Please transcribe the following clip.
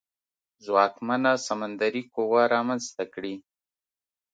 ځواکمنه سمندري قوه رامنځته کړي.